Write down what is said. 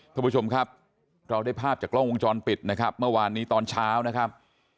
ทุกผู้ชมครับเราได้ภาพจากกล้องวงจรปิดนะครับเมื่อวานนี้ตอนเช้านะครับ